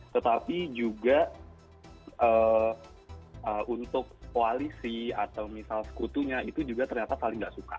tetapi juga untuk koalisi atau misal sekutunya itu juga ternyata paling tidak suka